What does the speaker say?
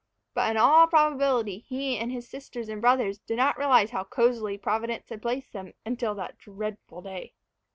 But in all probability he and his brothers and sisters did not realize how cozily Providence had placed them until that dreadful day.